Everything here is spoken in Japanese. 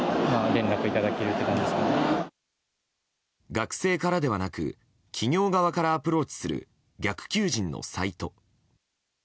学生からではなく企業側からアプローチする逆求人のサイト。